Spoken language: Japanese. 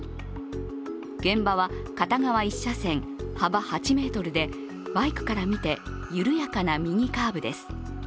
現場は片側１車線、幅８ｍで、バイクからみて緩やかな右カーブです。